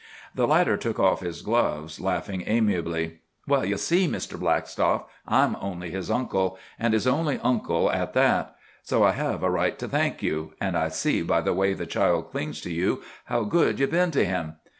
The latter took off his gloves, laughing amiably. "Well, you see, Mr. Blackstock, I'm only his uncle, and his only uncle at that. So I have a right to thank you, and I see by the way the child clings to you how good you've been to him.